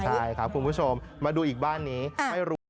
ใช่ค่ะคุณผู้ชมมาดูอีกบ้านนี้